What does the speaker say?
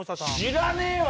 知らねーわ！